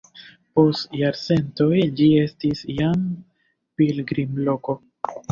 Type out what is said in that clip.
Post jarcentoj ĝi estis jam pilgrimloko.